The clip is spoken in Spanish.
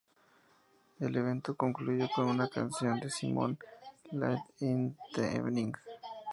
El evento concluyó con una canción de Simon, "Late in the Evening".